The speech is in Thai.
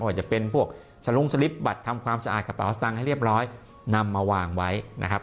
ว่าจะเป็นพวกสลงสลิปบัตรทำความสะอาดกระเป๋าสตางค์ให้เรียบร้อยนำมาวางไว้นะครับ